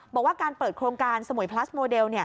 บอกว่าการเปิดโครงการสมุยพลัสโมเดล